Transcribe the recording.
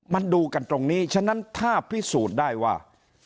มันดูกันตรงนี้ฉะนั้นถ้าพิสูจน์ได้ว่า